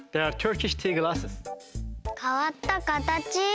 かわったかたち！